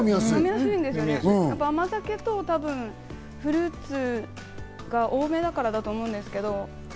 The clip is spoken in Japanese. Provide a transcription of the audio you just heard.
甘酒とフルーツが多めだからだと思うんですけど。